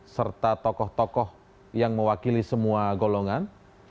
serta tokoh tokoh yang mewakili semua golongan